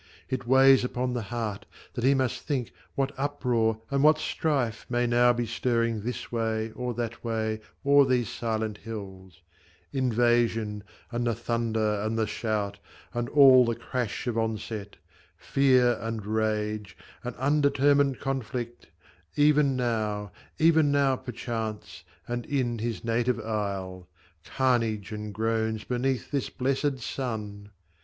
It weighs upon the heart, that he must think What uproar and what strife may now be stirring This way or that way o'er these silent hills Invasion, and the thunder and the shout, And all the crash of onset ; fear and rage, And undetermined conflict even now, Even now, perchance, and in his native isle : Carnage and groans beneath this blessed sun